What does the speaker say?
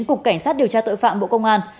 cục cảnh sát điều tra tội phạm bộ công an